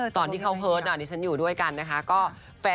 ตอนที่เขาฮืสฉันอยู่ด้วยกันนะคะ